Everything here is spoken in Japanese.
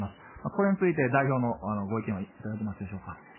これについて代表のご意見はいかがでしょうか。